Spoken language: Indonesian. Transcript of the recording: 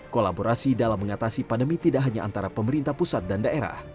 kolaborasi dalam mengatasi pandemi tidak hanya antara pemerintah pusat dan daerah